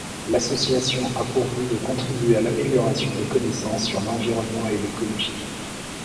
L’association a pour but de contribuer à l’amélioration des connaissances sur l’environnement et l’écologie.